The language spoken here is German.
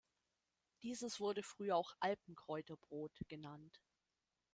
Dieses wurde früher auch "Alpenkräuter-Brot" genannt.